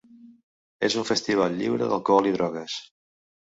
És un festival lliure d'alcohol i drogues.